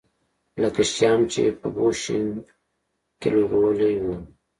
لکه شیام چې په بوشونګ کې لوبولی و.